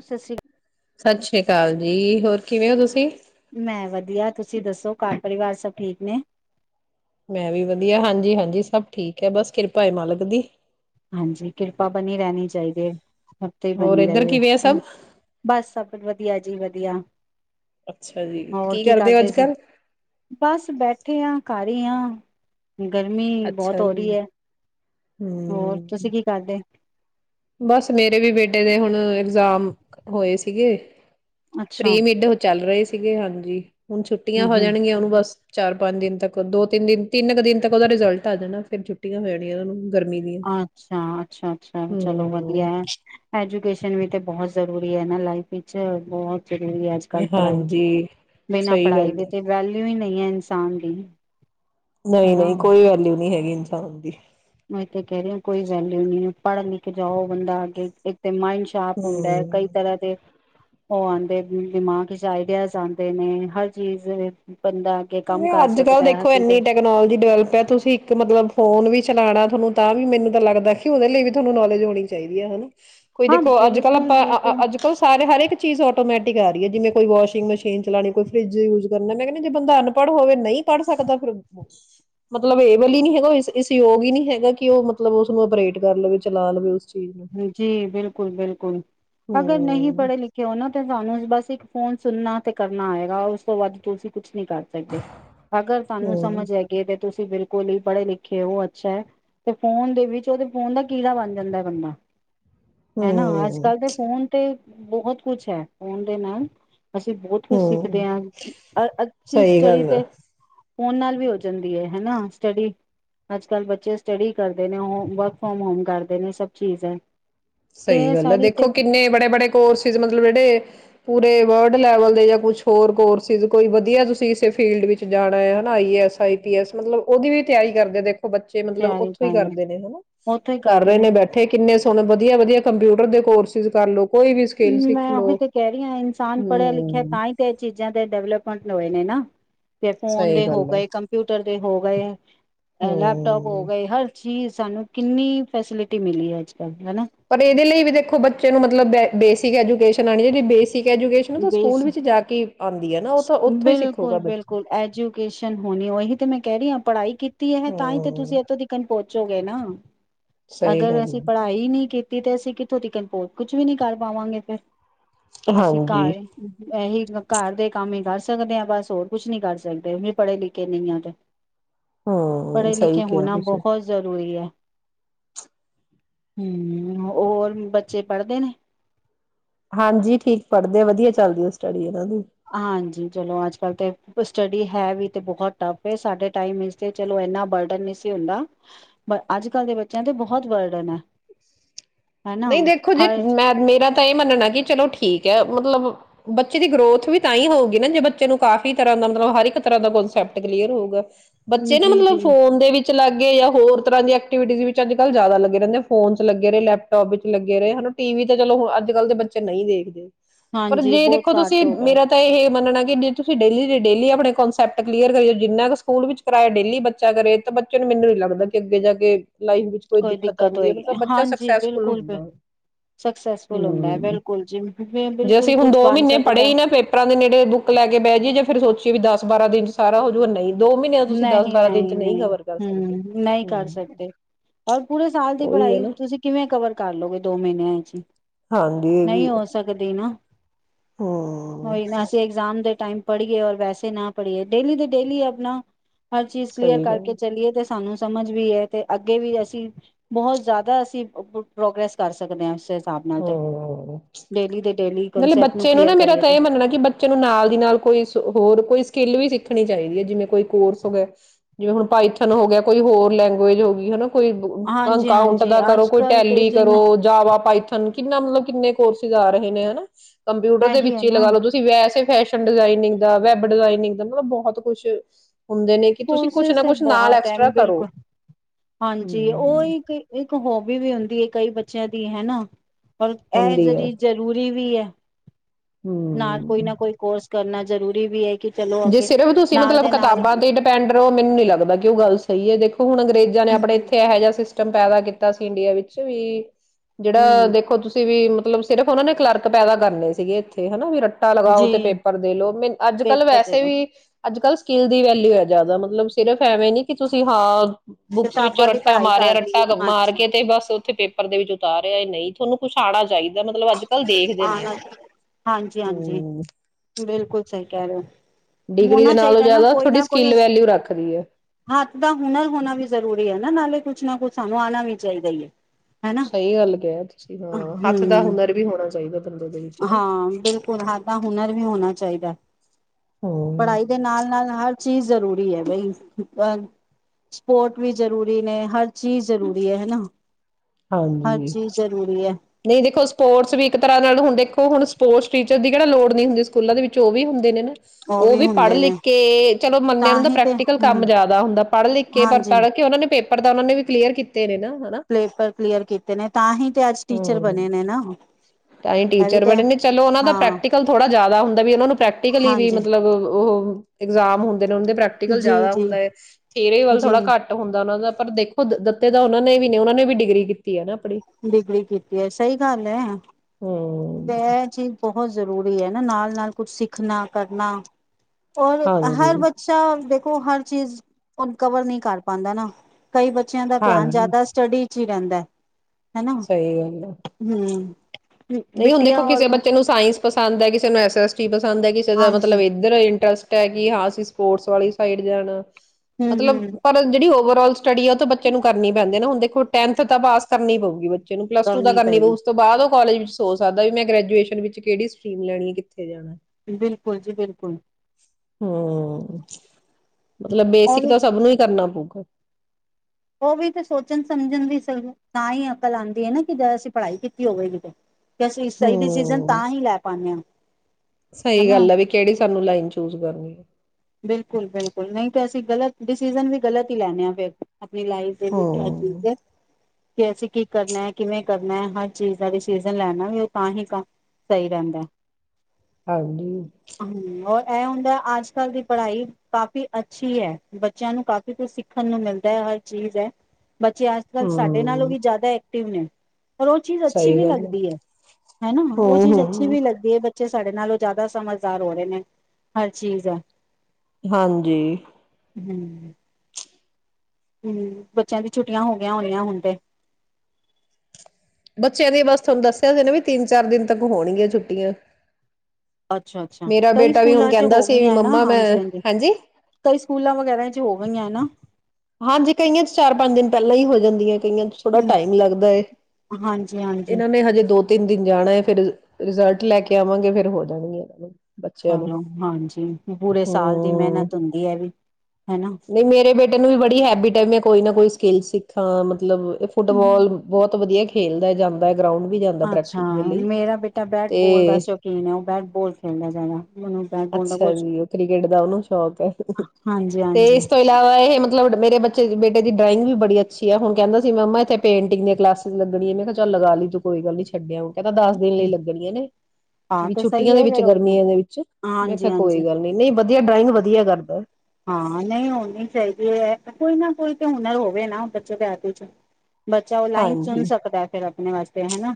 ਸਤਿ ਸ਼੍ਰੀ ਅਕਾਲ ਸਤਿ ਸ੍ਰੀ ਅਕਾਲ ਜੀ ਹੋਰ ਕਿਵੇਂ ਹੋ ਤੁਸੀਂ। ਮੈਂ ਵਧੀਆ ਤੁਸੀਂ ਦੱਸੋ ਘਰ ਪਰਿਵਾਰ ਸਭ ਠੀਕ ਨੇ। ਮੈਂ ਵੀ ਵਧੀਆ ਹਾਂਜੀ ਹਾਂਜੀ ਸਭ ਠੀਕ ਹੈ ਬਸ ਕਿਰਪਾ ਹੈ ਮਾਲਕ ਦੀ ਹਾਂਜੀ ਕਿਰਪਾ ਬਣੀ ਰਹਿਣੀ ਚਾਹੀਦੀ ਹੈ। ਕਿਰਪਾ ਹੀ ਹੋਰ ਬਣੀ ਇੱਧਰ ਰਹੇ, ਕਿਵੇਂ ਆ ਸਭ? ਬਸ ਸਭ ਕੁਛ ਵਧੀਆ ਜੀ ਵਧੀਆ ਅੱਛਾ ਜੀ, ਹੋਰ ਕੀ ਹੋ ਕਰਦੇ ਸੀ। ਅੱਜ-ਕੱਲ? ਬਸ ਬੈਠੇ ਹ ਘਰ ਹੂੰ ਗਰਮੀ ਬਹੁਤ ਅੱਛਾ ਹੋ ਰਹੀ ਜੀ, ਹੈ। ਹੋਰ ਹੂੰ। ਤੁਸੀਂ ਕੀ ਕਰਦੇ, ਬਸ ਮੇਰੇ ਵੀ ਬੇਟੇ ਦੇ ਹੁਣ ਇਗਜ਼ਾਮ ਹੋਏ, ਸੀਗੇ ਅੱਛਾ ਪ੍ਰੀਮਿਡ ਉਹ ਚੱਲ ਰਹੇ ਸੀ। ਸੀਗੇ ਹਾਂਜੀ। ਹੁਣ ਹਮ ਛੁੱਟੀਆਂ ਹੋ ਹਮ ਜਾਣਗੀਆਂ ਹੁਣ ਬਸ ਚਾਰ-ਪੰਜ ਦਿਨ ਤੱਕ ਦੋ-ਤਿੰਨ ਦਿਨ ਤਿੰਨ ਕੁ ਦਿਨ ਤੱਕ ਉਹਦਾ ਰਿਜਲਟ ਆ ਜਾਣਾ ਫਿਰ ਛੁੱਟਿਆ ਹੀ ਹੋ ਜਾਣੀਆਂ ਉਹਨੂੰ ਗਰਮੀ ਦੀਆਂ। ਅੱਛਾ, ਅੱਛਾ, ਅੱਛਾ। ਚਲੋ, ਵਧੀਆ। ਹੂੰ, ਐਜ਼ੂ ਐਜੂਕੇਸ਼ਨ ਵੀ ਤਾਂ ਬਹੁਤ ਜ਼ਰੂਰੀ ਹੈ ਨਾ ਲਾਈਫ ਵਿੱਚ ਬਹੁਤ ਜ਼ਰੂਰੀ ਹੈ ਅੱਜ ਕੱਲ੍ਹ ਪੜ੍ਹਾਈ, ਹਾਂਜੀ। ਬਿਨਾਂ ਸਹੀ ਪੜ੍ਹਾਈ ਗੱਲ ਦੇ ਹੈ, ਤੇ ਵੈਲਿਊ ਹੀ ਨਹੀਂ ਕੀ ਇਨਸਾਨ ਦੀ। ਹਨਾ ਨਹੀਂ-ਨਹੀਂ, ਕੋਈ ਵੈਲਿਊ ਨਹੀਂ ਹੈਗੀ ਇਨਸਾਨ ਦੀ। ਮੈਂ ਤੇ ਕੇਹ ਰਿਹਾ ਕੋਈ ਵੈਲਿਊ ਨੀ ਆ ਪੜ੍ਹ-ਲਿਖ ਜਾਓ ਬੰਦਾ ਅੱਗੇ ਤੇ ਮਾਇੰਡ ਸ਼ਾਰਪ ਹੁੰਦਾ ਹੈ ਕਈ ਹਮ ਤਰ੍ਹਾਂ ਦੇ ਉਹ ਆਉਂਦੇ ਦਿਮਾਗ ਵਿੱਚ ਆਈਡੀਆਜ਼ ਆਉਂਦੇ ਨੇ ਹਰ ਚੀਜ਼ ਬੰਦਾ ਅੱਗੇ ਕੰਮ ਕਰ ਅੱਜ ਕੱਲ ਸਕਦਾ ਹਰ ਦੇਖੋ ਚੀਜ਼ ਹੈ ਇੰਨੀ ਟੈਕਨੋਲੋਜੀ ਡਿਵੈਲਪ ਹੈ ਤੁਸੀਂ ਇੱਕ ਮਤਲਬ ਫੋਨ ਵੀ ਚਲਾਉਣਾ ਤੁਹਾਨੂੰ ਤਾਂ ਵੀ ਮੈਨੂੰ ਤਾਂ ਲੱਗਦਾ ਕਿ ਉਹਦੇ ਲਈ ਵੀ ਤੁਹਾਨੂੰ ਨੌਲੇਜ ਹੋਣੀ ਚਾਹੀਦੀ ਹੈ ਹਨਾ ਕੋਈ ਹਾਂ ਦੇਖੋ ਅੱਜ ਕੱਲ ਬਿਲਕੁਲ ਆਪਾਂ ਬਿਲਕੁਲ ਅੱਜ ਕੱਲ ਸਾਰੇ ਹਰਕ ਚੀਜ਼ ਆਟੋਮੈਟਿਕ ਆ ਰਹੀ ਜਿਵੇਂ ਕੋਈ ਵਾਸ਼ਿੰਗ ਮਸ਼ੀਨ ਚਉਣੀ, ਕੋਈ ਫਰਿੱਜ ਯੂਜ ਕਰਨਨਾ, ਮੈਂ ਕਹਿੰਦੀ ਹਾ ਜੇ ਬੰਦਾ ਪੜ ਹੋਵੇ ਨਹੀਂ ਪੜ੍ਹ ਸਕਦਾ, ਫਿਰ ਮਤਲਬ ਏਵਲ ਹੀ ਨੀ ਹੈਗਾ, ਇਸਯੋਗ ਹੀ ਨੀ ਹੈਗਾ ਕਿ ਉਹ ਮਤਲਬ ਉਸਨੂੰ ਅਪਰੇਟ ਕਰ ਲਵੇ ਚਲਾ ਲਵੇ ਚੀਜ਼ ਨੂੰ ਜੀ, ਬਿਲਕੁਲ-ਬਿਲਕੁਲ। ਅਗਰ ਨਹੀਂ ਹਮ ਪੜ੍ਹੇ ਲਿਖੇ ਹੋ ਨਾ ਤੇ ਸਾਨੂੰ ਬਸ ਇੱਕ ਫੋਨ ਸੁਣਨਾ ਤੇ ਕਰਨਾ ਹੈਏਗਾ ਉਸ ਤੋਂ ਬਾਅਦ ਤੁਸੀਂ ਕੁਛ ਨਹੀਂ ਕਰ ਸਕਦੇ। ਅਗਰ ਤੁਹਾਨੂੰ ਹਮ ਸਮਝ ਹੈਗੀ ਤੇ ਤੁਸੀਂ ਬਿਲਕੁਲ ਹੀ ਪੜ੍ਹੇ ਲਿਖੇ ਉਹ ਅੱਛਾ ਹੈ। ਤੇ ਫੋਨ ਦੇ ਵਿੱਚ ਉਹਦੇ ਫੋਨ ਦਾ ਕੀੜਾ ਬਣ ਜਾਂਦਾ ਬੰਦਾ ਹਨਾ, ਅੱਜ ਹਮ ਕੱਲ੍ਹ ਦੇ ਫੋਨ ਤੇ ਬਹੁਤ ਕੁਛ ਹੈ, ਉਹਨਾ ਦੇ ਨਾਲ। ਅਸੀਂ ਬਹੁਤ ਕੁਝ ਸਿੱਖਦੇ ਹਮ ਹਾਂ ਅ-ਅੱਛੀ ਸਹੀ ਸਟੱਡੀ ਗੱਲ ਆ ਤੇ ਫੋਨ ਨਾਲ ਵੀ ਹੋ ਜਾਂਦੀ ਹੈ ਹਨਾ ਸਟੱਡੀ ਅੱਜ ਕੱਲ੍ਹ ਬੱਚੇ ਸਟੱਡੀ ਕਰਦੇ ਨੇ ਹੋਰ ਵਰਕ ਫਰੋਮ ਹੋਮ ਕਰਦੇ ਨੇ ਸਭ ਰਿਜਨ ਸਹੀ ਗੱਲ ਹੈ, ਦੇਖੋ ਕਿੰਨੇ ਬੜੇ-ਬੜੇ ਕੋਰਸਿਸ ਮਤਲਬ ਜਿਹੜੇ ਪੂਰੇ ਵਰਲਡ ਲੈਵਲ ਦੇ ਜਾਂ ਕੁਛ ਹੋਰ ਕੋਰਸਿਸ ਕੋਈ ਵਧੀਆ ਤੁਸੀਂ ਕਿਸੇ ਫੀਲਡ ਵਿੱਚ ਜਾਣਾ ਹੈ। ਆਈ A S, I P S, ਮਤਲਬ ਉਹਦੀ ਵੀ ਤਿਆਰੀ ਕਰਦੇ ਦੇਖੋ ਬੱਚੇ ਮਤਲਬ ਤਿਆਰੀ ਉੱਥੋਂ ਹੀ ਕਰਦੇ ਨੇ ਹਨਾ ਉੱਥੋਂ ਹੀ ਕਰ ਕਰਦੇ ਰਹੇ ਨੇ ਬੈਠੇ ਕਿੰਨੇ ਸੋਹਣੇ ਇਸਤੋਂ ਵਧੀਆ ਕੰਪਿਊਟਰ ਦੇ ਕੋਰਸਿਸ ਕਰ ਲੋਕ। ਮੈਂ ਉਹੀ ਤੇ ਕਹਿ ਰਹੀ ਇਨਸਾਨ ਪੜ੍ਹਿਆ ਲਿਖਿਆ ਹੂੰ ਤਾਂ ਹੀ ਤੇ ਇਹ ਚੀਜ਼ਾਂ ਦੇ ਡਿਵਲਪਮੈਂਟ ਹੋਏ ਨੇ ਨਾ। ਜੈ ਫੋਨ ਸਹੀ ਦੇ ਹੋ ਗੱਲ ਹੈ ਗਏ, ਕੰਪਿਊਟਰ ਤੇ ਹੋ ਗਏ ਲੈਪਟੋਪ ਹੋ ਹੂੰ ਗਈ ਹਰ ਚੀਜ਼ ਸਾਨੂੰ ਕਿੰਨੀ ਫੈਸਿਲਿਟੀ ਮਿਲੀ ਹੈ ਅੱਜ ਕੱਲ ਹਨਾ। ਪਰ ਇਹਦੇ ਲਈ ਵੀ ਦੇਖੋ ਬੱਚੇ ਨੂੰ ਮਤਲਬ ਬ ਬੇਸਿਕ ਐਜੂਕੇਸ਼ਨ ਆਉਣੀ ਜਾੜਦੀ। ਬੇਸ ਬੇਸ ਆਉਂਦੀ ਹੈ ਨਾ ਉਹ ਤਾਂ ਉੱਥੋਂ ਹੀ ਬਿਲਕੁਲ ਸਿੱਖੂਗਾ ਬੱਚਾ ਬਿਲਕੁਲ ਐਜੂਕੇਸ਼ਨ ਹੋਣੀ ਉਹੀ ਤੇ ਮੈਂ ਕਹਿ ਰਹੀ ਹਾਂ ਪੜ੍ਹਾਈ ਕੀਤੀ ਹੈ। ਤਾਂ ਹੀ ਤੇ ਹੂੰ ਤੁਸੀਂ ਇਥੋਂ ਟਿਕਣ ੋ [inaudible] ਚੁਗਨੇ ਸਹੀ ਅਗਰ ਗੱਲ ਅਸੀਂ ਹੈ। ਪੜ੍ਹਾਈ ਨਹੀਂ ਤੇ ਅਸੀਂ ਕਿੱਥੋਂ ਟਿਕਣ ਪੇ, ਕੁਛ ਵੀ ਨੀ ਕਰ ਪਾਵਾਂਗੇ ਫਿਰ। ਹਾਂ ਅਸੀਂ [inaudible] ਘਰ ਇਹੀ ਘਰ ਦੇ ਕੰਮ ਹੀ [unintelligible] ਸਕਦੇ ਹਾਂ। ਬਸ ਹੋਰ ਕੁਛ ਨੀ ਕਰ ਸਕਦੇ ਵੀ ਪੜ੍ਹੇ ਲਿਖੇ ਨਹੀਂ ਆ ਤੇ ਹੂੰ ਪੜ੍ਹੇ ਸਹੀ ਲਿਖੇ ਕਿਹਾ ਹੋਣਾ ਤੁਸੀਂ ਬਹੁਤ ਜ਼ਰੂਰੀ ਹੈ। ਹੂੰ ਹੋਰ ਬੱਚੇ ਪੜ੍ਹਦੇ ਨੇ? ਹਾਂਜੀ ਠੀਕ ਪੜ੍ਹਦੇ ਆ ਵਧੀਆ ਚੱਲਦੀ ਸਟੱਡੀ। ਇਹਨਾਂ ਦੀ ਹਾਂਜੀ ਚਲੋ ਅੱਜ ਕੱਲ ਤੇ, ਕੇ ਕੁਛ ਟਾਈਮ [unintelligible] ਹੈ, ਵੀ ਤੇ ਬਹੁਤ ਟਫ ਹੈ। ਸਾਡੇ ਟਾਈਮ ਤੇ ਚਲੋ ਇੰਨਾ ਬਰਡਨ ਨਹੀਂ ਸੀ। ਹੁੰਦਾ ਪ ਅੱਜ ਕੱਲ੍ਹ ਦੇ ਬੱਚਿਆਂ ਤੇ ਬਹੁਤ ਬਰਡਨ ਹੈ। ਹੈ ਨਾ ਨਹੀਂ ਦੇਖੋ ਜੀ ਹਰ ਮੈਂ ਮੇਰਾ ਤਾਂ ਇਹ ਮੰਨਣਾ ਕਿ ਚਲੋ ਠੀਕ ਹੈ ਮਤਲਬ ਬੱਚੇ ਦੀ ਗਰੋਥ ਵੀ ਤਾਂ ਹੀ ਹੋਊਗੀ ਨਾ ਜੇ ਬੱਚੇ ਨੂੰ ਕਾਫੀ ਤਰ੍ਹਾਂ ਦਾ ਮਤਲਬ ਹਰ ਇੱਕ ਤਰ੍ਹਾਂ ਦਾ ਕੋਂਸੈਪਟ ਕਲੀਅਰ ਹੋਊਗਾ। ਬੱਚੇ ਨਾ ਜੀ ਜੀ ਮਤਲਬ ਫੋਨ ਦੇ ਵਿੱਚ ਚ ਲੱਗੇਏ ਜਾਂ ਹੋਰ੍ਹਾਂ ਦੀਆਂ ਐਕਟੀਵਿਟੀਜ਼ ਵਿੱਚ ਅੱਜ ਕੱਲ੍ਹ ਜ਼ਿਆ ਲੱਗੇ ਰਹਿੰਦੇ ਫੋਨ ਚ ਲੱਗੇ ਰਹੇ ਟੋਪ ਚ ਲੱਗੇ ਰਹੇ ਹਨ ਟੀ ਵੀ ਤੇ ਚਲੋ ਅੱਜ ਕੱਲ੍ਹ ਦੇ ਬੱਚੇ ਨਹੀਂ ਦੇਖਦੇ। ਪਰ ਹਾਂਜੀ ਜੇ ਬਹੁਤ ਦੇਖੋ ਘੱਟ ਤੁਸੀਂ ਹੋ ਗਿਆ ਮੇਰਾ ਤਾਂ ਇਹ ਮੰਨਣਾ ਜੇ ਤੁਸੀਂ ਡੇਲੀ ਡੇਲੀ ਆਪਣੇ ਕੋਂਸੈਪਟ ਕਲੀਅਰ ਕਰੀਓ ਜਿੰਨਾ ਕੁ ਸਕੂਲ ਵਿੱਚ ਕਰਇਆ ਡੇਲੀ ਬੱਚਾ ਕਰੇ ਤਾਂ ਬੱਚੇ ਨੂੰ ਮੈਨੂੰ ਨੀ ਲੱਗਦਾ ਕਿ ਅੱਗੇ ਜਾ ਕੇ ਲਾਈਫ ਵਿੱਚ ਕੋਈ ਦਿੱਕਤ ਆਉਂਦੀ ਹੈ ਹੋਏਗੀ ਮਤਲਬ ਬੱਚਾ ਹਾਂਜੀ ਸਕਸੈਸ ਬਿਲਕੁਲ ਸਕਸੈਸਫੁਲ ਹੁੰਦਾ ਹੈ ਬਿਲਕੁਲ ਜੀ ਜੇ ਬਿਲਕੁਲ ਅਸੀਂ ਹੁਣ ਕੁਛ ਦੋ ਬਣ ਮਹੀਨੇ ਪੜੇ ਸਕਦਾ ਹੀ ਨਾ ਪੇਪਰਾਂ ਦੇ ਨੇੜੇ ਬੁੱਕ ਲੈ ਕੇ ਬਹਿ ਜਈਏ ਜੇ ਫਿਰ ਸੋਚੀਏ ਵੀ ਦਸ ਬਾਰਾਂ ਦਿਨ ਚ ਸਾਰਾ ਹੋਜੂ ਨਹੀਂ। ਦੋ ਮਹੀਨੇ ਦਾ ਤੁਸੀਂ ਦਸ ਨਹੀਂ ਬਾਰਾਂ ਦਿਨ ਚ ਨਹੀਂ ਨਹੀਂ ਕਵਰ ਕਰ ਸਕਦੇ ਹੂੰ ਨਹੀਂ ਕਰ ਹਮ ਸਕਦੇ ਔਰ ਪੂਰੇ ਸਾਲ ਦੀ ਉਹੀ ਹੈ ਪੜ੍ਹਾਈ ਨਾ ਤੁਸੀਂ ਕਿਵੇਂ? ਕਰਲਓਗੇ ਦੋ ਮਹੀਨਿਆਂ ਚ ਹਾਂਜੀ ਇਹ ਨਹੀਂ ਵੀ ਹੋ ਸਕਦੀ ਨਾ। ਹਮ ਹੋਈ ਨਾ ਅਸੀਂ ਇਗਜ਼ਾਮ ਦੇ ਟਾਈਮ ਪੜ੍ਹੀਏ ਔਰ ਵੈਸੇ ਨਾ ਪੜ੍ਹੀਏ ਡੇਲੀ ਦੇ ਡੇਲੀ ਆਪਣਾ ਹਰ ਚੀਜ਼ ਕਲੀਅਰ ਸਹੀ ਗੱਲ ਕਰਕੇ ਚਲੀਏ ਸਾਨੂੰ ਸਮਝ ਵੀ ਹੈ ਤੇ ਅੱਗੇ ਵੀ ਅਸੀਂ ਬਹੁਤ ਜ਼ਿਆਦਾ ਅਸੀਂ ਪ੍ਰੋਗਰੈਸ ਕਰ ਸਕਦੇ ਹਾਂ ਉਸ ਹਿਸਾਬ ਨਾਲ ਤੇ ਹੂੰ ਡੇਲੀ ਦੇ ਡੇਲੀ ਮਤਲਬ ਕੰਸੈਪਟ ਬੱਚੇ ਨੂੰ ਨਾ ਕਲੀਅਰ ਮੇਰਾ ਕਰੀਏ ਤਾਂ ਤੇ ਇਹ ਮੰਨਣਾ ਕਿ ਬੱਚੇ ਨੂੰ ਨਾਲ ਦੀ ਨਾਲ ਕੋਈ ਹੋਰ ਕੋਈ ਸਕਿੱਲ ਵੀ ਸਿੱਖਣੀ ਚਾਹੀਦੀ ਹੈ ਜਿਵੇਂ ਕੋਈ ਕੋਰਸ ਹੋ ਗਿਆ, ਜਿਵੇਂ ਹੁਣ ਪਾਈਥਨ, ਹੋ ਗਿਆ ਕੋਈ ਹੋਰ ਲੈਂਗੁਏਜ, ਹੋ ਗਈ ਹੇਨਾ ਕੋਈ - ਬ - ਹਾਂਜੀ ਅਕਾਉਂਟ ਹਾਂਜੀ ਦਾ ਕਰੋ ਅੱਜ ਕੋਈ ਕੱਲ ਤੇ ਟੈਲੀ ਕਰੋ ਜਿੰਨਾ ਜਾਵਾ ਪਾਈ ਸ ਕਿੰਨਾ ਮਤਲਬ ਕਿੰਨੇ ਕੋਰਸਿਸ ਆ ਰਹੇ ਨੇ ਹੇਨਾ ਕੰਪਿਊਟਰ ਦੇ ਇਹੀ ਵਿੱਚ ਹੈ ਹੀ ਨਾ ਲਗਾ ਲਓ ਤੁਸੀਂ ਵੈਸੇ ਫੈਸ਼ਨ ਡਿਜ਼ਾਇਨਿੰਗ, ਦਾ ਵੈੱਬ ਡਿਜ਼ਾਇਨਿੰਗ, ਦਾ ਮਤਲਬ ਬਹੁਤ ਕੁਛ ਹੁੰਦੇ ਨੇ, ਕਿ ਤੁਸੀਂ ਕੁਛ ਨਾ ਕੋਰਸਿਸ ਕੁਛ ਨਾਲ ਬਹੁਤ ਹੈ ਐਕਸਟਰਾ ਕਰੋ। ਬਿਲਕੁਲ ਹਾਂਜੀ, ਹਮ ਉਹੀ ਤੇ ਇੱਕ ਹੋਬੀ ਵੀ ਹੁੰਦੀ ਹੈ, ਕਈ ਬੱਚਿਆਂ ਦੀ ਹੈਨਾ ਪਰ ਇਹ ਹੁੰਦੀ ਹੈ ਜਰੀ ਜ਼ਰੂਰੀ ਵੀ ਹੈ। ਨਾਲ ਕੋਈ ਹਮ ਨਾ ਕੋਈ ਕੋਰਸ ਕਰਨਾ ਜ਼ਰੂਰੀ ਵੀ ਹੈ। ਕਿ ਚਲੋ ਜੇ ਅੱਗੇ ਸਿਰਫ ਤੁਸੀਂ ਨਾਲ ਮਤਲਬ ਦੇ ਨਾਲ ਹੀ ਕਿਤਾਬਾਂ ਤੇ ਡਿਪੈਂਡ ਰਹੋ ਮੈਨੂੰ ਨੀ ਲੱਗਦਾ ਕਿ ਉਹ ਗੱਲ ਸ ਸਹੀ ਹੈ। ਦੇਖੋ ਹੁਣ ਅੰਗਰੇਜ਼ਾਂ ਨੇ ਆਪਣੇ ਇੱਥੇ ਇਹੈ ਜਿਹਾ ਸਿਸ ਸਿਸਟਮ ਪੈਦਾ ਕੀਤਾ ਸੀ, ਇੰਡੀਆ ਵਿੱਚ ਵੀ ਜਿਹੜਾ ਹਮ ਦੇਖੋ ਤੁਸੀਂ ਵੀ - ਮ ਮਤਲਬ ਸਿਰਫ ਉਹਨਾਂ ਨੇ ਕਲਰਕ ਪੈਦਾ ਕਰਨੇ ਸੀਗੇ ਇੱਥੇ ਹੈਨਾ ਵੀ ਰੱਟਾ ਲਗਾਓ ਤੇ ਪੇਪਰ ਦੇ ਲੋ ਮੈਨੂੰ ਅੱਜ ਕੱਲ ਪੇਪਰ ਵੈਸੇ ਦੇ ਤੇ ਇਹ ਦੋ ਵੀ ਅੱਜ ਕੱਲ੍ਹ ਸਕਿੱਲ ਦੀ ਵੈਲਿਊ ਹੈ ਜ਼ਿਆਦਾ ਮਤਲਬ ਸਿਰਫ ਐਵੇਂ ਨੀ ਕਿ ਤੁਸੀਂ ਹਾਂ ਬੁੱਕਸ ਵਿੱਚੋਂ ਕਿਤਾਬਾਂ ਦੀ ਰੱਟਾ ਪੜ੍ਹਾਈ ਮਾਰਿਆ ਕਰ ਲਈਏ ਰੱਟਾ - ਮਾਰ ਹਾਂਜੀ ਕੇ ਤੇ ਬਸ ਉੱਥੇ ਪੇਪਰ ਪੇਪਰ ਦੇ ਵਿੱਚ ਉਤਾਰਿਐ ਨਹੀਂ ਤੁਹਾਨੂੰ ਕੁਛ ਆਣਾ ਚਾਹੀਦਾ ਮਤਲਬ ਅੱਜ ਕੱਲ੍ਹ ਦੇਖਦੇ ਨੇ, ਆਣਾ ਹਾਂਜੀ ਹਾਂਜੀ ਹੂੰ ਬਿਲਕੁਲ ਸਹੀ ਕਹਿ ਹੇ ਹੋ ਹੋਣਾ ਚਾਹੀਦਾ ਨਾ ਜ਼ਿਆਦਾ ਕੋਈ ਤੁਹਾਡੀ ਨਾ ਕੋਈ, ਸਕਿੱਲ ਵੈਲਿਊ ਰੱਖਦੀ ਹੈ ਹੱਥ ਦਾ ਹੁਨਰ ਹੋਣਾ ਵੀ ਜ਼ਰੂਰੀ ਹੈ ਨਾ ਨਾਲੇ ਕੁਛ ਕੁਛ ਨਾ ਕੁੱਛ ਸਾਨੂੰ ਆਣਾ ਵੀ ਚਾਹੀਦਾ ਹੀ ਐ ਸਹੀ ਗੱਲ ਕਿਹਾ ਹੈ ਤੁਸੀਂ ਹਾਂ ਹੱਥ ਦਾ ਹਮ ਹੁਨਰ ਵੀ ਹੋਣਾ ਚਾਹੀਦਾ ਬੰਦੇ ਦੇ ਵਿੱਚ ਨਾ। ਹਾਂ ਬਿਲਕੁਲ ਹੱਥ ਹੁਨਰ ਵੀ ਹੋਣਾ ਚਾਹੀਦਾ। ਹੂੰ ਪੜ੍ਹਾਈ ਦੇ ਨਾਲ ਨਾਲ ਹਰ ਚੀਜ਼ ਜ਼ਰੂਰੀ ਹੈ ਬਈ ਅ ਸਪੋਰਟ ਵੀ ਜ਼ਰੂਰੀ ਨੇ ਹਰ ਚੀਜ਼ ਜ਼ਰੂਰੀ ਹੈ ਹਨਾ ਹਰ ਹਾਂਜੀ। ਚੀਜ ਜ਼ਰੂਰੀ ਏ ਨਹੀਂ ਦੇਖੋ ਸਪੋਰਟਸ ਵੀ ਇੱਕ ਤਰ੍ਹਾਂ ਨਾਲ ਹੁਣ ਦੇਖੋ ਹੁਣ ਸਪੋਰਟਸ ਟੀਚਰ ਦੀ ਕਿਹੜਾ ਲੋੜ ਨਹੀਂ ਹੁੰਦੀ ਸਕੂਲਾ ਦੇ ਵਿੱਚ ਉਹ ਵੀ ਹੁੰਦੇ ਨੇ ਨਾ ਉਹ ਵੀ ਪੜ੍ਹ ਲਿਖ ਕੇ ਚਲੋ ਮੰਨਿਆ ਤਾਂ ਉਹ ਦਾ ਹੀ ਤੇ ਪ੍ਰੈਕਟੀਕਲ ਕੰਮ ਹਮ ਜ਼ਿਆਦਾ ਹੁੰਦਾ ਪੜ੍ਹ ਲਿਖ ਕੇ ਪਰ ਹਾਂਜੀ ਪੜ੍ਹ ਕੇ ਉਹਨਾਂ ਨੇ ਪੇਪਰ ਪੇਪਰ ਉਨਾ ਨੇ ਵੀ ਕਲੀਅਰ ਕੀਤਾ ਪੇਪਰ ਕਲੀਅਰ ਕੀਤੇ ਨੇ ਤਾਂ ਹੀ ਤੇ ਅੱਜ ਟੀਚਰ ਹੂੰ ਬਣੇ ਨੇ ਨਾ ਤਾਂ ਹੀ ਇਹ ਵੀ ਟੀਚਰ ਤੇ ਬੜੇ ਨੇ ਚਲੋ ਉਹਨਾਂ ਦਾ ਹਾਂ ਪ੍ਰੈਕਟੀਕਲ ਥੋੜਾ ਜਿਆਦਾ ਹੁੰਦਾ ਵੀ ਉਹਨਾਂ ਨੂੰ ਪ੍ਰੈਕਟੀਕਲੀ ਵੀ ਹਾਂਜੀ ਮਤਲਬ ਉਹ [unintelligible] ਹੂੰ ਐਗਜਾਮ ਜਿਹੜੇ ਹੁੰਦੇ ਪ੍ਰੈਕਟੀਕਲ ਜੀ ਜਿਆਦਾ ਜੀ ਹੁੰਦਾ ਐ ਥਿਉਰੀ ਵੱਲ ਜੀ ਥੋੜਾ ਘੱਟ ਹੁੰਦਾ ਉਹਨਾਂ ਦਾ ਪਰ ਦੇਖੋ ਦ ਦਿੱਤੇ ਤਾਂ ਉਹਨਾਂ ਨੇ ਵੀ ਨੇ, ਉਹਨਾਂ ਨੇ ਵੀ ਡਿਗਰੀ ਕੀਤੀ ਏ ਨਾ ਆਪਣੀ ਡਿਗਰੀ ਕੀਤੀ ਤੇ ਇਹ ਸਹੀ ਗੱਲ ਹਮ ਐ ਚੀਜ਼ ਬਹੁਤ ਜ਼ਰੂਰੀ ਹੈ ਨਾ ਨਾਲ ਨਾਲ ਕੁਛ ਸਿੱਖਣਾ ਕਰਨਾ ਔਰ ਹਰ ਹਾਂਜੀ ਬੱਚਾ ਉਹ ਹਰ ਚੀਜ਼ [unintelligible] ਕਵਰ ਨਹੀਂ ਕਰ ਪਾਂਦਾ ਨਾ। ਕਈ ਬੱਚਿਆਂ ਦਾ ਪਿਆਨ ਹਾਂਜੀ ਜ਼ਿਆਦਾ ਸਟੱਡੀ ਚਿ ਰੈਂਦਾ ਸਹੀ ਗੱਲ ਐ ਨਹੀਂ ਹੁੰਦੀ ਬਿਟੀਆਂ ਖੁਸ਼ੀ, ਔਰ ਕਿਉਂਕਿ ਤੈਨੂੰ ਸਾਇੰਸ ਪਸੰਦ ਹੈ ।ਕਿਸੇ ਨੂੰ ਸਸ [unintelligible] ਪਸੰਦ ਹੈ, ਕਿਸੇ ਦਾ ਹਾਂਜੀ ਮਤਲਬ ਇੱਧਰ ਐ ਇੰਟਰਸਟ ਟੈਗੀ ਹਾਂ ਅਸੀਂ ਸਪੋਰਟਸ ਵਾਲੀ ਸਾਈਡ ਜਾਣਾ। ਮਤਲਬ ਹੂੰ-ਹੂੰ ਪਰ ਜਿਹੜੀ ਹੋਵੋ। ਸੈਲਫ ਸਟੱਡੀ ਉਹ ਤਾਂ ਬੱਚੇ ਨੂੰ ਕਰਨੀ ਪੈਂਦੀ ਹੈ ਹੁਣ ਦੇਖੋ ਟੈਂਨਥ ਤਾਂ ਪਾਸ ਕਰਨੀ ਪਊਗੀ ਜਿਨੂੰ ਪਲੱਸ ਟੂ ਤਾਂ ਕਰਨੀ ਪਊ ਉਸ ਤੋਂ ਬਾਅਦ ਕਾੱਲੇਜ ਵਿਚ ਸੋਚ ਸਕਦਾ ਵੀ ਮੈਂ ਗ੍ਰੈਜੂਏਸ਼ਨ ਵਿੱਚ ਕਿਹੜੀ ਸਟਰੀਮ ਲੈਣੀ ਹੈ। ਕਿੱਥੇ ਜਾਣਾ ਬਿਲਕੁਲ ਜੀ ਬਿਲਕੁਲ ਹੂ ਮਤਲਬ ਉਹ ਬੇਸਿਕ ਵੀ ਤਾਂ ਸਭ ਨੂੰ ਹੀ ਕਰਨਾ ਹੋਗਾ ਉਹ ਵੀ ਤੇ ਸੋਚਣ ਸਮਝਣ ਦੀ ਤਾਂ ਹੀ ਅਕਲ ਆਉਂਦੀ ਹੈ ਨਾ ਕਿਦ ਅਸੀਂ ਪੜ੍ਹਾਈ ਕੀਤੀ ਹੋਵੇਗੀ ਤੇ ਕਿ ਅਸੀਂ ਸਹੀ ਡਿਸੀਜ਼ਨ ਹੂੰ ਤਾਂ ਹੀ ਲੈ ਪਾਉਂਦੇ ਹਾਂ ਸਹੀ ਹਨਾ। ਗੱਲ ਏ ਵਈ ਕਿਹੜੀ ਸਾਨੂੰ ਲਾਈਨ ਚੂਜ ਕਰਨੀ ਏ। ਬਿਲਕੁਲ ਬਿਲਕੁਲ ਨਹੀਂ ਤਾਂ ਅਸੀਂ ਗ਼ਲਤ ਡਿਸੀਜ਼ਨ ਵੀ ਗ਼ਲਤ ਹੀ ਲੈਨੇ ਆ ਫੇਰ। ਆਪਣੀ ਲਾਈਫ ਦੇ ਵਿਚ ਇਹ ਚੀਜ਼ ਹੂੰ ਹੈ। ਕਿ ਅਸੀਂ ਕੀ ਕਰਨਾ ਹੈ ਕਿਵੇਂ ਕਰਨਾ ਹੈ ਹਰ ਚੀਜ਼ ਦਾ ਡਿਸੀਜ਼ਨ ਲੈਣਾ ਵੀ ਉਹ ਤਾਂ ਹੀ ਕਮ ਸਹੀ ਰਹਿੰਦਾ ਹੈ। ਹਾਂਜੀ। ਔਰ ਇਹ ਹੁੰਦਾ ਅੱਜ ਕੱਲ ਦੀ। ਪੜਾਈ ਕਾਫ਼ੀ ਅੱਛੀ ਹੈ ਬੱਚਿਆਂ ਨੂੰ ਕਾਫ਼ੀ ਕੁਛ ਸਿੱਖਣ ਨੂੰ ਮਿਲਦਾ ਹੈ ਹਰ ਚੀਜ਼ ਹੈ। ਬੱਚੇ ਅੱਜ ਕੱਲ ਸਾਡੇ ਨਾਲੋਂ ਹੂੰ ਵੀ ਜ਼ਿਆਦਾ ਤਿਨ ਐ ਪਰ ਉਹ ਚੀਜ਼ ਅੱਛੀ ਸਹੀ ਵੀ ਗੱਲ ਆ ਲੱਗਦੀ ਹੈ, ਹੈਨਾ ਉਹ ਹੂੰ ਚੀਜ਼ ਅੱਛੀ ਹੂੰ ਵੀ ਲੱਗਦੀ ਹੈ ਬ। ਚੇ ਸਾਡੇ ਨਾਲੋਂ ਜ਼ਿਆਦਾ ਸਮਝਦਾਰ ਹੋ ਰਹੇ ਨੇ ਹਰ ਚੀਜ਼ ਆ। ਹਾਂਜੀ। ਹਮ। ਹੂ ਬੱਚਿਆਂ ਦੀ ਛੁੱਟੀਆਂ ਹੋ ਗਈਆਂ ਹੋਣੀਆਂ ਹੁਣ ਤੇ। ਬੱਚਿਆਂ ਦੀ ਬਸ ਤੁਹਾਨੂੰ ਦੱਸਿਆ ਸੀ ਨਾ ਤਿੰਨ ਚਾਰ ਦਿਨ ਤੱਕ ਹੋਣਗੀਆਂ ਛੁੱਟੀਆਂ। ਅੱਛਾ ਅੱਛਾ ਮੇਰਾ ਕਈ ਬੇਟਾ ਵੀ ਹੁਣ ਸਕੂਲਾਂ ਚ ਕਹਿੰਦਾ ਹੋ ਸੀ ਵੀ ਗਈਆਂ ਨਾ ਮੰਮਾ ਮੈਂ ਹਾਂਜੀ ।ਹਾਂਜੀ? ਕਈ ਸਕੂਲਾਂ ਵਗੈਰਾ ਚ ਹੋ ਗਈਆਂ ਨਾ ਹਾਂਜੀ ਕਈਆਂ ਚ ਚਾਰ ਪੰਜ ਦਿਨ ਪਹਿਲਾਂ ਹੀ ਹੋ ਜਾਂਦੀਆਂ ਕਈਆਂ ਚ ਥੋੜਾ ਹਮ ਟਾਈਮ ਲੱਗਦਾ ਹੈ ਹਾਂਜੀ ਹਾਂਜੀ ਇਹਨਾਂ ਨੇ ਹਜੇ ਦੋ। ਤਿੰਨ ਦਿਨ ਜਾਣਾ ਹੈ ਫੇਰ ਰਿਜਲਟ ਲੈ ਕੇ ਆਵਾਂਗੇ ਫੇਰ ਹੋ ਜਾਣਗੀਆਂ । ਬੱਚਿਆਂ ਨੂੰ ਚਲੋ ਹਾਂਜੀ ਪੂਰੇ ਸਾਲ ਦੀ ਹੂ ਮਿਹਨਤ ਹੁੰਦੀ ਹੈ ਵੀ ਹਨਾ ਨਹੀਂ ਮੇਰੇ ਬੇਟੇ ਨੂੰ ਵੀ ਬੜੀ ਹੈਬੀਟ ਹੈ ਮੈਂ ਕੋਈ ਨਾ ਕੋਈ ਸਕਿੱਲ ਸਿੱਖਾਂ ਮਤਲਬ ਇਹ ਫੁੱਟਬਾੱਲ ਬਹੁਤ ਵਧੀਆਂ ਖੇਲਦਾ ਜਾਂਦਾ ਹੈ। ਅੱਛਾ, ਮੇਰਾ ਬੇਟਾ ਬੈਟ- ਤੇ ਬੋਲ ਦਾ ਸ਼ੌਕੀਨ ਹੈ ਉਹ ਬੈਟ ਬੋਲ ਖੇਲਨੇ ਜਾਨਾ। ਅੱਛਾ ਜੀ, ਉਹ ਕ੍ਰਿਕੇਟ ਦਾ ਉਹਨੂੰ ਵੀ ਸ਼ੌਕ ਹੈ, ਹਾਂਜੀ ਤੇ ਹਾਂਜੀ ਇਸ ਤੋਂ ਇਲਾਵਾ ਇਹ ਮਤਲਬ ਮੇਰੇ ਬਚੇ ਬੇਟੇ ਦੀ ਡਰਾਇੰਗ ਵੀ ਬੜੀ ਅੱਛੀ ਏ ਹੁਣ ਕਹਿੰਦਾ ਸੀ, ਮਮਾ ਇਥੇ ਪੇਂਟਿੰਗ ਦੀਆਂ ਕਲਾਸਿਸ ਲਗਣੀਆਂ, ਮੈਂ ਕਿਹਾ ਚਲ ਲਗਾ ਲਈ ਤੂੰ ਕੋਈ ਗੱਲ ਨੀ ਛੱਡਿਆ ਕਹਿੰਦਾ ਦੱਸ ਦਿਨ ਲਈ ਲੱਗਣੀਆਂ ਨੇ ਹਾਂ ਵੀ ਤੇ ਛੁੱਟੀਆਂ ਸਹੀ ਦੇ ਹੈ ਵਿੱਚ, ਫੇਰ ਹੋਰ ਕੀ ਗਰਮੀਆਂ ਦੇ ਵਿੱਚ। ਹਾਂਜੀ ਕੋਈ ਹਾਂਜੀ ਗੱਲ ਨੀ, ਨਹੀਂ ਵਧੀਆਂ ਡਰਾਇੰਗ ਵਧੀਆਂ ਕਰਦਾ। ਹਾਂ ਨਹੀਂ ਹੋਣੀ ਚਾਹੀਦੀ ਹੈ, ਕੋਈ ਨਾ ਕੋਈ ਤੇ ਹੁਨਰ ਹੋਵੇ ਨਾ, ਬੱਚੇ ਦੇ ਹੱਥ ਵਿੱਚ। ਬੱਚਾ ਉਹ ਲਾਈਨ ਚੁਣ ਹਾਂਜੀ ਸਕਦਾ ਫੇਰ ਆਪਣੇ ਵਾਸਤੇ ਹੈਨਾ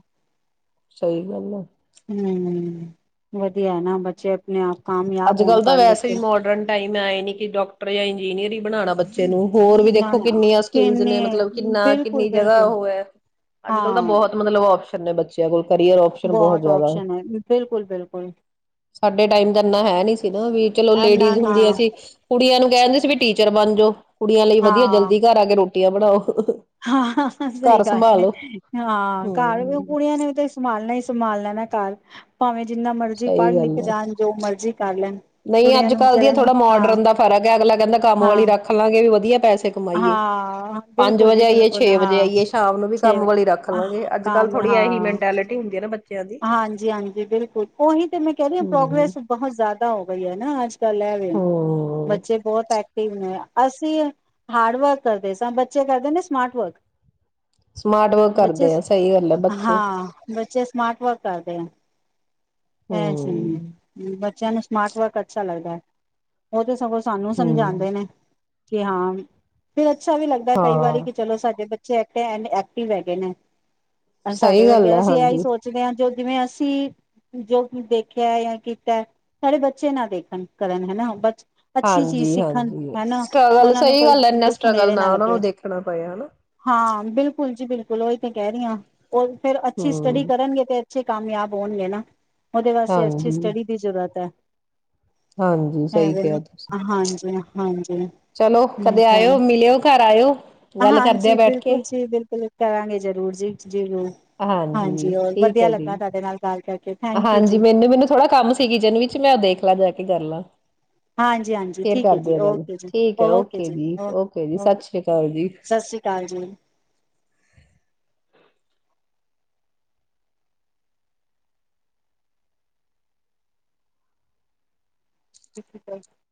ਸਹੀ ਗੱਲ ਆ ਹੂੰ । ਵਧੀਆ ਹੈਨਾ ਬੱਚੇ ਆਪਣੇ ਆਪ । ਅੱਜ-ਕੱਲ ਤਾਂ ਵੈਸੇ ਵੀ ਮੋਡਰਨ ਟਾਈਮ ਹੈ ਆਏ ਨੀ। ਕੀ ਡਾਕਟਰ ਜਾਂ ਇੰਜੀਨੀਅਰ ਹੀ ਬਣਾਉਣਾ ਬੱਚੇ ਹੋਰ ਵੀ ਨਾ ਦੇਖੋ ਨਾ ਕਿੰਨੀਆਂ ਸਕਿੱਲਸ ਕਿੰਨੇ ਨੇ ਮਤਲਬ ਕਿੰਨਾ ਬਿਲਕੁਲ ਕਿੰਨੀ ਜਗਾਹ ਬਿਲਕੁਲ ਉਹ ਹੈ ਅੱਜ ਕਲ ਤਾਂ ਹਾਂ ਬਹੁਤ ਮਤਲਬ ਆਪਸ਼ਨ [unintelligible] ਬੱਚਿਆਂ ਕੋਲ। ਕਰੀਅਰ ਆਪਸ਼ਨ ਬਹੁਤ ਜ਼ਿਆਦਾ ਆਪਸ਼ਨ ਹੈ, ਬਿਲਕੁਲ-ਬਿਲਕੁਲ ਮੈ ਹੈ ਨੀ ਸੀ ਨਾ ਵੀ ਚਲੋ ਲੇਡੀਜ਼ ਹੁੰਦੀਆਂ ਸੀ ਕੁੜੀਆਂ ਕਹਿ ਰਹੇ ਸੀ ਵੀ ਟੀਚਰ ਬਣ ਜੋ। ਕੁੜੀਆਂ ਲਈ ਵਧੀਆ ਜਲਦੀ ਘਰ ਆ ਕੇ ਰੋਟਿਆਂ ਬਣਾਓ। ਹਾਂ-ਹਾ-ਹਾ ਸਹੀ ਘਰ ਗੱਲ ਹੈ ਸੰਭਾਲੋ ਹਾਂ ਘਾਰ ਵੀ ਹਮ ਕੁੜੀਆਂ ਨੇ ਵੀ ਤੇ ਸੰਭਾਲਣਾ ਸੀ। ਸੰਭਾਲ ਲੈਣਾ ਹੈ ਘਾਰ ਭਾਵੇਂ ਜਿੰਨਾ ਮਰਜ਼ੀ ਸਹੀ ਪੜ੍ਹ ਲਿਖ ਗੱਲ ਆ ਜਾਣ ਜੋ ਮਰਜ਼ੀ ਕਰ ਲੈਣ ਨਹੀਂ ਕੁੜੀਆਂ ਅੱਜ ਨੂੰ ਕੱਲ ਦੀ ਆ ਵਿਚਾਰਿਆਂ ਨੂੰ ਥੋੜਾ ਹਾਂ ਮੋਡਰਨ ਦਾ ਫਰਕ ਹੈ ਅਗਲਾ ਕਹਿੰਦਾ ਕੰਮ ਹਾਂ ਵਾਲੀ ਰੱਖ ਲਾਂਗੇ ਵੀ ਵਧੀਆ ਪੈਸੇ ਕਮਾਈਏ ਹਾਂ ਪੰਜ ਬਿਲਕੁਲ ਵਜੇ ਜੀ ਆਈਏ ਬਿਲਕੁਲ ਛੇ ਵਜੇ ਹਾਂ ਆਈਏ ਸ਼ਾਮ ਨੂੰ ਵੀ ਛੇ ਕੰਮ ਵਾਲੀ ਰੱਖ ਆਹ ਲਾਂਗੇ ਅੱਜ-ਕੱਲ ਕੰਮ ਥੋੜ੍ਹੀ ਇਹੀ ਹਾਂ ਮੈਂਟੈਲਿਟੀ ਹੁੰਦੀ ਹੈ। ਬੱਚਿਆਂ ਦੀ ਹਾਂਜੀ -ਹਾਂਜੀ ਬਿਲਕੁਲ ਉਹੀ ਤੇ ਮੈਂ ਕਹਿ ਰਹੀ ਹਮ ਪ੍ਰੋਗਰੈਸ ਬਹੁਤ ਜ਼ਿਆਦਾ ਹੋ ਬਈ ਹੈ ਨਾ ਅਜਟਲ [unintelligible] ਚਾਲਿਆ ਵੇ ਹਮ ਬੱਚੇ ਬਹੁਤ [unintelligible] ਅਸੀਂ ਹਾਰਡ ਵਰਕ ਕਰਦੇ ਸ ਬੱਚੇ ਕਰਦੇ ਨੇ ਸਮਾਰਟ ਵਰਕ। ਸਮਾਰਟ ਵਰਕ ਬੱਚੇ ਕਰਦੇ ਆ। ਸਹੀ ਗੱਲ ਹੈ ਬੱਚੇ ਪਤਾ ਨਹੀ। ਹੈ ਹਮ [unintelligible] ਬੱਚਿਆਂ ਨੂੰ [unintelligible] ਵਕ ਅੱਛਾ ਲੱਗਦਾ ਹੈ ਉਹ ਤੇ ਸਾਨੂੰ ਹਮ ਸਮਝਾਉਂਦੇ ਨੇ। ਕਿ ਹਾਂ [unintelligible] ਅੱਛਾ ਵੀ ਲੱਗਦਾ ਕਈ ਹਾਂ ਵਾਰੀ ਕਿ ਚਲੋ ਸਾਡੇ ਬੱ [unintelligible] ਐਕਟਿਵ ਹੈਗੇ ਨੇ। ਸਾਡੇ ਸਹੀ ਗੱਲ ਵਰਗੇ ਹੈ ਅਸੀਂ ਇਹੀ ਹਾਂਜੀ ਸੋਚਦੇ ਹਾਂ ਜੋ ਜਿਵੇਂ ਅਸੀਂ ਜੋ ਕੁ ਦੇਖਿਆ ਯਾ ਕੀਤਾ ਸਾਡੇ ਬੱਚੇ ਨਾ ਦੇਖਣ ਕਰਨ ਹੈਨਾ ਬੱ ਅੱਛੀ ਚੀਜ਼ ਹਾਂਜੀ ਸਿੱਖਣ ਹਾਂਜੀ ਹਨਾ, ਸਟਰਗਲ ਉਹਨਾਂ ਨੂੰ ਸਹੀ ਕੋਈ ਗੱਲ ਹੈ, ਇੰਨਾ ਦੁੱਖ ਸਟਰਗਲ ਨੇੜੇ ਨਾ ਉਹਨਾਂ ਨੂੰ ਲੱਗੇ, ਦੇਖਣਾ ਪਏ ਹਨਾ ਹਾਂ ਬਿਲਕੁਲ ਜੀ ਬਿਲ [unintelligible] ਕਹਿ ਰਹੀ ਆਂ। ਉਹ ਫੇਰ ਅੱਛੀ ਸਟੱਡੀ ਹਮ ਕਰਨਗੇ ਤੇ ਅੱਛੇ ਕਾਮਯਾਬ ਹੋਣਗੇ ਨਾ ਉਹਦੇ ਵਾਸਤੇ ਅੱਛੀ ਹਾਂਜੀ ਸਟੱਡੀ ਦੀ ਜ਼ਰੂਰਤ ਹੈ। ਹਾਂਜੀ ਸਹੀ ਕਿਹਾ ਤੁਸੀਂ [inaudible] ਠੀ ਚਲੋ ਕਦੇ ਠੀਕ ਆਇਓ ਮਿਲਿਓ ਘਰ ਆਇਓ ਆ ਗੱਲ ਕਰਦੇ ਹਾਂਜੀ ਬੈਠ ਕੇ ਬਿਲਕੁਲ ਜੀ ਬਿਲਕੁਲ ਕਰਾਂਗੇ ਜਰੂਰ ਜੀ ਜੀ ਰੂ ਹਾਂਜੀ ਹੋਰ ਠੀਕ ਵਧੀਆ ਹੈ ਜੀ ਲੱਗਾ ਤੁਹਾਡੇ ਨਾਲ ਗੱਲ ਕਰਕੇ ਥੈਂਕ ਯੂ ਹਾਂਜੀ ਜੀ ਮੈਨੂੰ, ਮੈਨੂੰ ਥੋੜਾ ਕੰਮ ਸੀ ਕਿਚਨ ਵਿੱਚ ਮੈਂ ਦੇਖ ਲਾ ਜਾ ਕੇ ਕਰ ਲਾਂ ਹਾਂਜੀ-ਹਾਂਜੀ ਫੇਰ ਠੀਕ ਹੈ ਕਰਦੇ ਜੀ ਆ ਗੱਲ ਓਕੇ ਜੀ- ਠੀਕ ਹੈ ਓਕੇ ਜੀ ਓਕੇ- ਜੀ ਓਕੇ ਸਤਿ ਸ੍ਰੀ ਅਕਾਲ ਜੀ ਸਤਿ ਸ਼੍ਰੀ ਅਕਾਲ ਜੀ। ਅੱਕ [unintelligible]